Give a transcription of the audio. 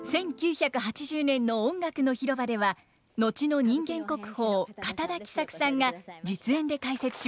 １９８０年の「音楽の広場」では後の人間国宝堅田喜三久さんが実演で解説しました。